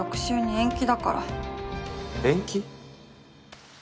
延期？